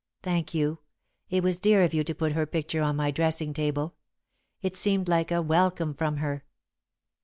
"Thank you. It was dear of you to put her picture on my dressing table. It seemed like a welcome from her."